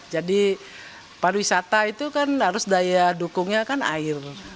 jadi para wisata itu kan harus daya dukungnya kan air